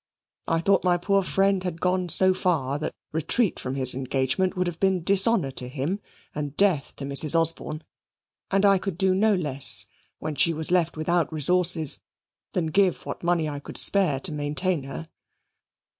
I thought my poor friend had gone so far that retreat from his engagement would have been dishonour to him and death to Mrs. Osborne, and I could do no less, when she was left without resources, than give what money I could spare to maintain her."